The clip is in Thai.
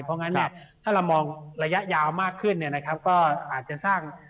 เพราะงั้นเนี่ยถ้าเรามองระยะยาวมากขึ้นเนี่ยนะครับก็อาจจะสร้าง